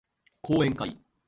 講演会